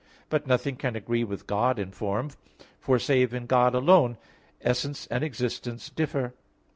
But nothing can agree with God in form; for, save in God alone, essence and existence differ.